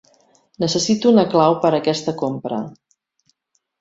Necessito una clau per aquesta compra.